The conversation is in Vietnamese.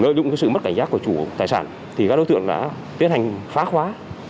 lợi dụng sự mất cảnh giác của chủ tài sản thì các đối tượng tiến hành phá khoá